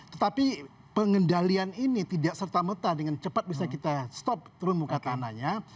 tetapi pengendalian ini tidak serta merta dengan cepat bisa kita stop turun muka tanahnya